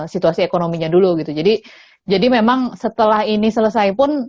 situasi ekonominya dulu gitu jadi jadi memang setelah ini selesai pun